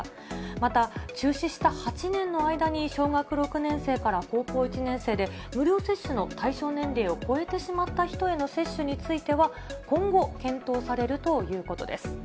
また、中止した８年の間に小学６年生から高校１年生で、無料接種の対象年齢を超えてしまった人への接種については、今後、検討されるということです。